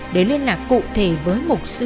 để liên lạc cụ thể với một sĩ quan